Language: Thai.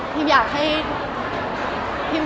ทิมอยากให้